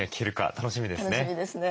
楽しみですね。